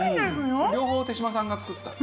両方手島さんが作った。